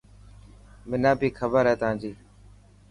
منا بي کبر هي تانجي.